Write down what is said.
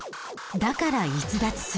だから逸脱する。